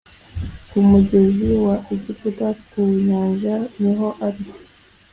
kumugezi wa egiputa ku nyanja niho ari .